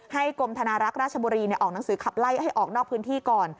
กรมธนารักษ์ราชบุรีออกหนังสือขับไล่ให้ออกนอกพื้นที่ก่อน